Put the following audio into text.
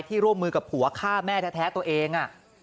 ร่วมมือกับผัวฆ่าแม่แท้ตัวเอง